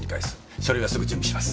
書類はすぐ準備します。